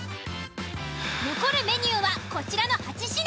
残るメニューはこちらの８品。